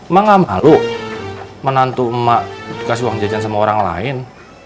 menga malu menantu emak dikasih uang jajan sama orang lain